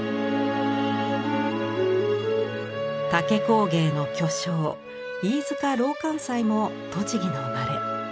竹工芸の巨匠飯塚琅齋も栃木の生まれ。